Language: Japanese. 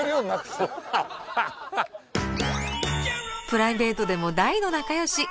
プライベートでも大の仲良し！